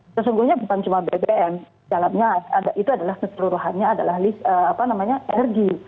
sesungguhnya bukan cuma bbm dalamnya itu adalah keseluruhannya adalah energi